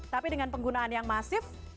tapi dengan penggunaan yang masif